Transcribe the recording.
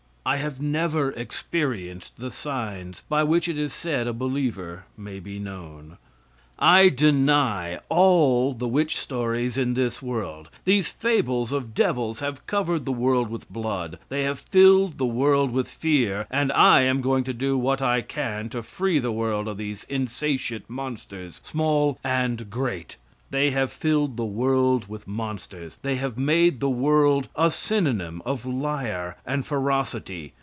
I have never experienced the signs by which it is said a believer may be known. I deny all the witch stories in this world. These fables of devils have covered the world with blood; they have filled the world with fear, and I am going to do what I can to free the world of these insatiate monsters, small and great; they have filled the world with monsters, they have made the world a synonym of liar and ferocity.